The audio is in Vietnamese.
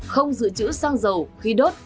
không giữ chữ xăng dầu khi đốt